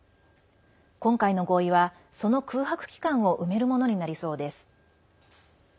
今回の合意は、その空白期間を埋めるものになりそうです。